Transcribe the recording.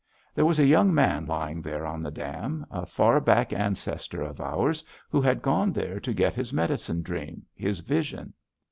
"There was a young man lying there on the dam, a far back ancestor of ours who had gone there to get his medicine dream; his vision.